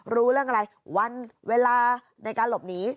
รู้เรื่องอะไรวันเวลาในการหลบหนี